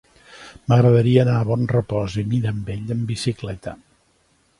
M'agradaria anar a Bonrepòs i Mirambell amb bicicleta.